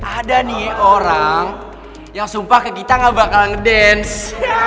ada nih orang yang sumpah ke kita gak bakal ngedance